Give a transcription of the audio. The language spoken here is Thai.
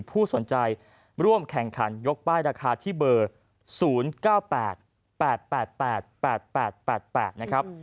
ผู้สนใจร่วมแข่งขันยกป้ายราคาที่เบอร์๐๙๘๘๘๘นะครับ